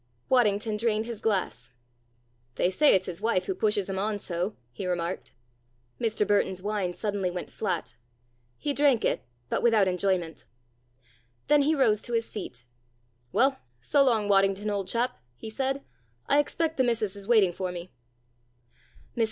Waddington drained his glass. "They say it's his wife who pushes him on so," he remarked. Mr. Burton's wine went suddenly flat. He drank it but without enjoyment. Then he rose to his feet. "Well, so long, Waddington, old chap," he said. "I expect the missis is waiting for me."